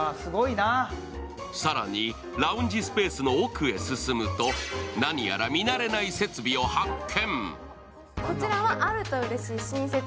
更にラウンジ・スペースの奥へ進むと何やら見慣れない設備を発見。